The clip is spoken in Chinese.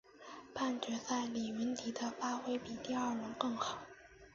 半决赛李云迪的发挥比第二轮更好。